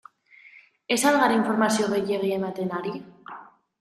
Ez al gara informazio gehiegi ematen ari?